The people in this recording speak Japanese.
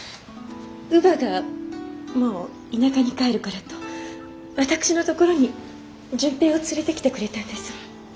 乳母がもう田舎に帰るからと私のところに純平を連れてきてくれたんです。